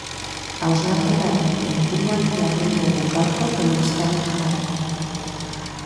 Hausnarketa horren inguruan jardun dugu gaurko telebistaren atalean.